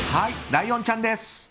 ライオンちゃんです。